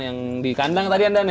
yang dikandang tadi ya dan